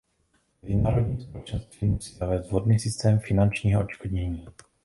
Mezinárodní společenství musí zavést vhodný systém finančního odškodnění.